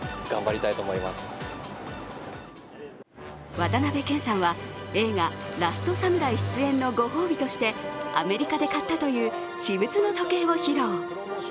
渡辺謙さんは映画「ラストサムライ」出演のご褒美としてアメリカで買ったという私物の時計を披露。